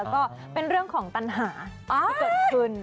ก็เป็นเรื่องของปัญหาที่เกิดขึ้น